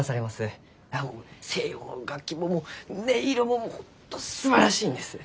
西洋の楽器ももう音色も本当すばらしいんです！